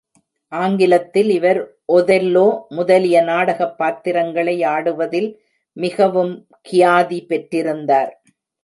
ஆங்கிலத்தில் இவர் ஒதெல்லோ முதலிய நாடகப் பாத்திரங்களை ஆடுவதில் மிகவும் கியாதி பெற்றிருந்தார்.